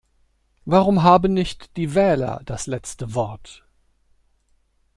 Warum haben nicht die Wähler das letzte Wort?